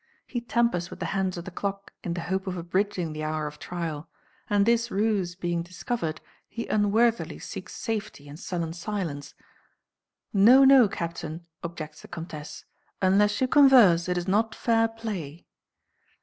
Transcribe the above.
He tampers with the hands of the clock in the hope of abridging the hour of trial, and this ruse being discovered he unworthily seeks safety in sullen silence. "No, no, captain," objects the Comtesse, "unless you converse it is not fair play."